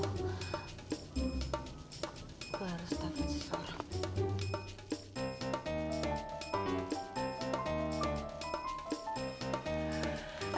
gue harus tahan seseorang